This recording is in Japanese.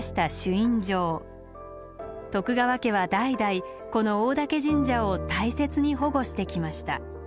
徳川家は代々この大嶽神社を大切に保護してきました。